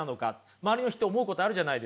周りの人思うことあるじゃないですか。